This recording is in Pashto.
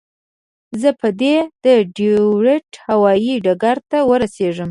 زه به دې د ډیترویت هوایي ډګر ته ورسوم.